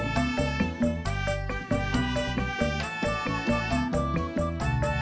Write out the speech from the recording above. bur jangan habis